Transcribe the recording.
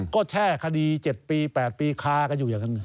ก็แช่คดี๗ปี๘ปีคากันอยู่อย่างนั้น